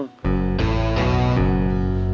bos bubun kabur